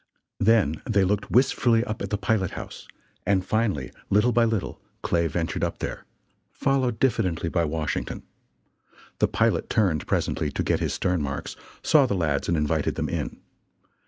Then they looked wistfully up at the pilot house, and finally, little by little, Clay ventured up there, followed diffidently by Washington. The pilot turned presently to "get his stern marks," saw the lads and invited them in.